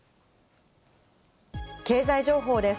経済情報です。